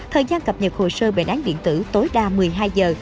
thời gian cập nhật hồ sơ bệnh án điện tử tối đa một mươi hai giờ